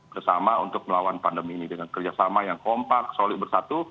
bersama untuk melawan pandemi ini dengan kerjasama yang kompak solid bersatu